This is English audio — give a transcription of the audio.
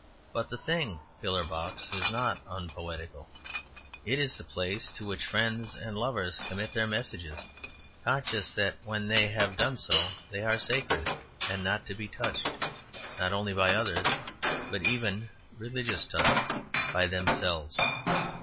But the thing pillar box is not unpoetical; it is the place to which friends and lovers commit their messages, conscious that when they have done so they are sacred, and not to be touched, not only by others, but even (religious touch!) by themselves.